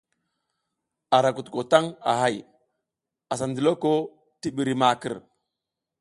A ra kutuko taƞ a hay, asa ndiloko ti ɓiri makər.